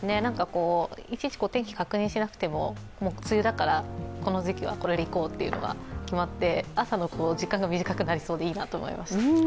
いちいち天気を確認しなくても梅雨だからこの時期はこれでいこうって決まって朝の時間が短くなりそうで、いいなと思いました。